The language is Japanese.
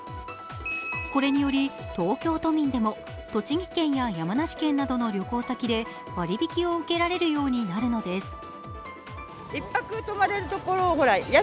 これにより東京都民でも栃木県や山梨県などの旅行先で割引を受けられるようになるのです。